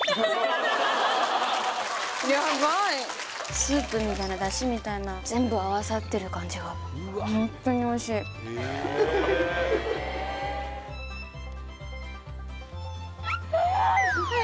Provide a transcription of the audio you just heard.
スープみたいな出汁みたいな全部合わさってる感じがホントにおいしいううっ！